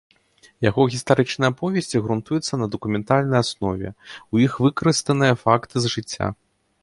Яго гістарычныя аповесці грунтуюцца на дакументальнай аснове, у іх выкарыстаныя факты з жыцця.